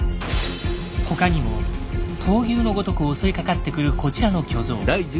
他にも闘牛のごとく襲いかかってくるこちらの巨像。